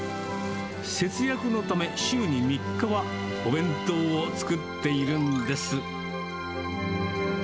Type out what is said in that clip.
節約のため、週に３日はお弁当を作っているんです。